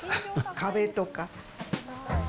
壁とか。